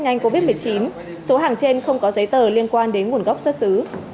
nhanh covid một mươi chín số hàng trên không có giấy tờ liên quan đến nguồn gốc xuất xứ